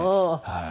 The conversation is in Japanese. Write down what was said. はい。